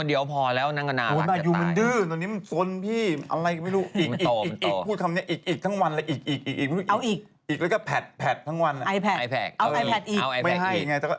อีกพูดคำนี้อีกทั้งวันโอ๊ยอีก